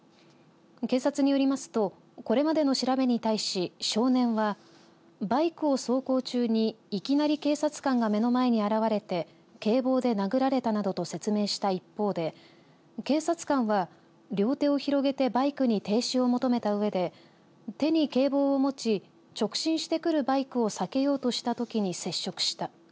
警察によりますとこれまでの調べに対し少年はバイクを走行中にいきなり警察官が目の前に現れて警棒で殴られたなどと説明した一方で警察官は両手を広げてバイクに停止を求めたうえで手に警棒を持ち直進してくるバイクを避けようとしたときに接触した。